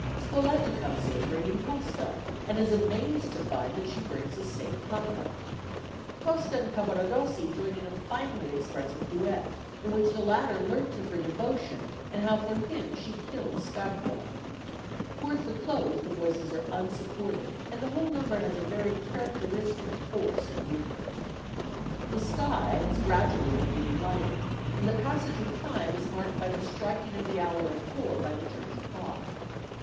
Spoletta comes in bringing Tosca, and is amazed to find that she brings a safe conduct. Tosca and Cavaradossi join in a finely expressive duet, in which the latter learns of her devotion, and how for him she killed Scarpia. Towards the close the voices are unsupported, and the whole number has a very characteristic force and movement. [Illustration: PUCCINI AT TORRE DEL LAGO IN HIS MOTOR BOAT "BUTTERFLY"] The sky has gradually been getting lighter, and the passage of time is marked by the striking of the hour of four by the church clock.